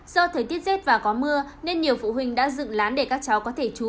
do thời tiết rét và có mưa nên nhiều phụ huynh đã dựng lán để các cháu có thể chú ý